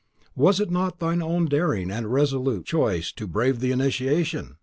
Was it not thine own daring and resolute choice to brave the initiation!